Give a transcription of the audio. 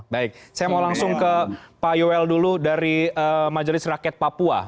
baik saya mau langsung ke pak yoel dulu dari majelis rakyat papua